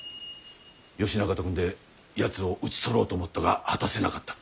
義仲と組んでやつを討ち取ろうと思ったが果たせなかった。